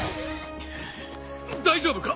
大丈夫か！？